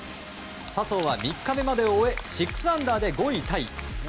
笹生は３日目までを終え６アンダーで５位タイ。